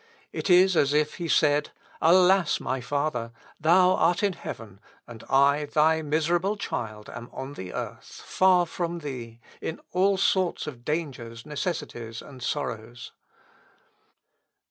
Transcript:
It is as if he said, 'Alas! my father! thou art in heaven, and I, thy miserable child, am on the earth, far from thee, in all sorts of dangers, necessities, and sorrows.'